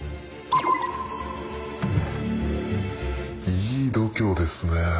いい度胸ですね。